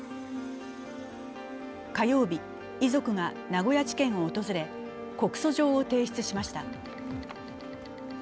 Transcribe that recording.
火曜日、遺族が名古屋地検を訪れ告訴状を提出しました。